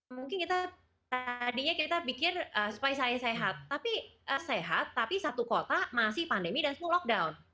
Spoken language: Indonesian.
mungkin kita tadinya kita pikir supaya saya sehat tapi sehat tapi satu kota masih pandemi dan semua lockdown